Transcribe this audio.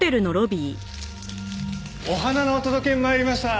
お花のお届けに参りました。